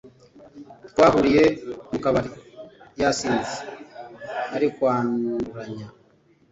Twahuriye mukabari yasinze arikwanduranya